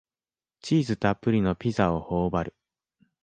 チーズたっぷりのピザをほおばる